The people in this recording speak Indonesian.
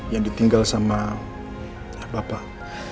yang ditinggal sama bapak